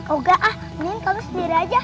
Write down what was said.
enggak ah mendingan kamu sendiri aja